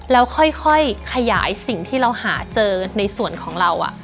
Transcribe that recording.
แล้วค่อยขยายสิ่งที่เราหาเจอในส่วนของเรา